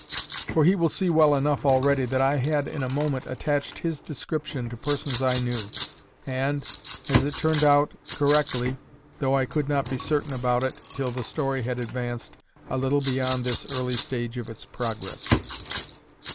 For he will see well enough already that I had in a moment attached his description to persons I knew, and, as it turned out, correctly, though I could not be certain about it till the story had advanced a little beyond this early stage of its progress.